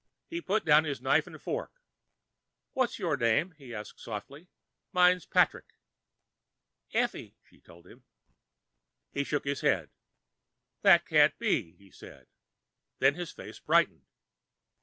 He put down his knife and fork. "What's your name?" he asked softly. "Mine's Patrick." "Effie," she told him. He shook his head. "That can't be," he said. Then his face brightened.